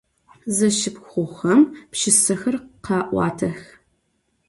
Zeşşıpxhuxem pşşısexer kha'uatex.